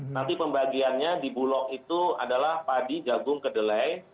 nanti pembagiannya di bulog itu adalah padi jagung kedelai